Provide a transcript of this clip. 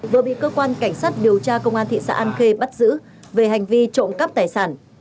vừa bị cơ quan cảnh sát điều tra công an thị xã an khê bắt giữ về hành vi trộm cắp tài sản